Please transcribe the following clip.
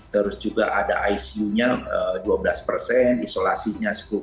terus juga ada icu nya dua belas isolasinya sepuluh